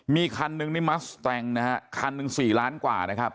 มีคันนึงนี่มัสแตงนะฮะคันหนึ่ง๔ล้านกว่านะครับ